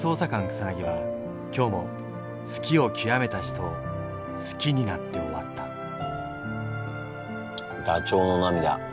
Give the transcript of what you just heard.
草は今日も好きをきわめた人を好きになって終わったダチョウの涙